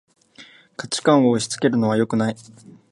価値観を押しつけるのはよくない